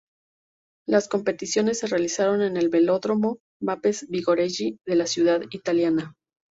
Las competiciones se realizaron en el Velódromo Maspes-Vigorelli de la ciudad italiana.